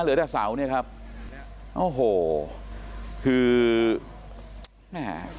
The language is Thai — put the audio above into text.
เหลือแต่เสาเนี่ยครับโอ้โหคือแม่